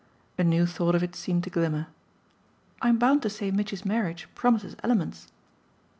A new thought of it seemed to glimmer. "I'm bound to say Mitchy's marriage promises elements."